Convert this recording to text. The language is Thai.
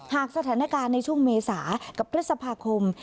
หากสถานการณ์ในช่วงเมษากับพฤษภาคม